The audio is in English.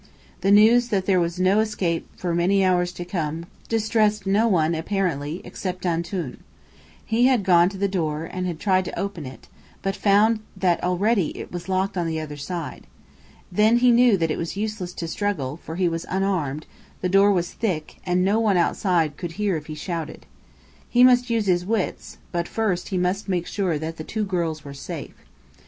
The news that there was no escape for many hours to come distressed no one apparently, except "Antoun." He had gone to the door, and tried to open it, but found that already it was locked on the other side. Then he knew that it was useless to struggle, for he was unarmed, the door was thick, and no one outside could hear if he shouted. He must use his wits; but first he must make sure that the two girls were safe.